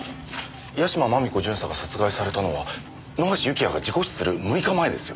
屋島真美子巡査が殺害されたのは野橋幸也が事故死する６日前ですよ。